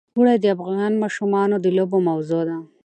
اوړي د افغان ماشومانو د لوبو موضوع ده.